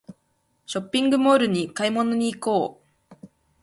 ショッピングモールに買い物に行こう